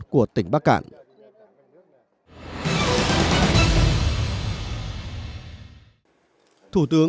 có rất nhiều lịch sử